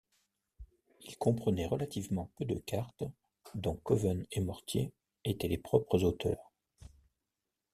Ils comprenaient relativement peu de cartes dont Covens & Mortier étaient les propres auteurs.